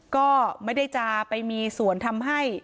ก็ไม่ได้จะไปมีส่วนทำให้